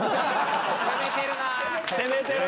攻めてるな。